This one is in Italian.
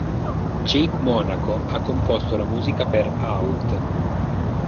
Jake Monaco ha composto la musica per "Out".